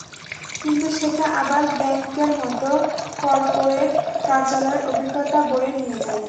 কিন্তু সেটা আবার ব্যাংকের মতো করপোরেট কার্যালয়ে অভিজ্ঞতা বয়ে নিয়ে যায়।